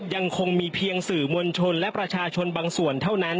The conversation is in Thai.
ยังคงมีเพียงสื่อมวลชนและประชาชนบางส่วนเท่านั้น